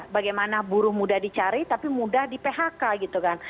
bagaimana buruh mudah dicari tapi mudah di phk gitu kan